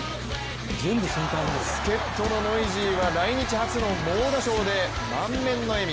助っとのノイジーは来日初の猛打賞で満面の笑み。